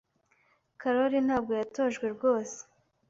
Karoli ntabwo yatojwe rwose.